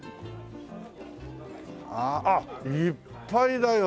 あっいっぱいだよ。